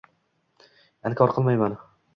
Inkor qilmayman.